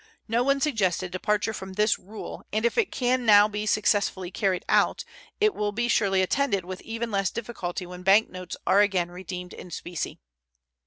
No one suggests a departure from this rule, and if it can now be successfully carried out it will be surely attended with even less difficulty when bank notes are again redeemed in specie.